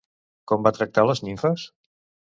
Com va tractar les nimfes?